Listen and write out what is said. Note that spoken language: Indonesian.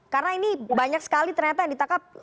karena ini banyak sekali ternyata yang ditangkap